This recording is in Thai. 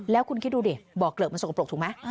แล้วคุณคิดดูดิบ่อเกลือกมันสกปรกถูกไหม